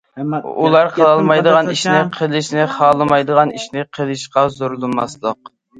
ئۇلار قىلالمايدىغان ئىشنى، قىلىشنى خالىمايدىغان ئىشنى قىلىشقا زورلىماسلىق.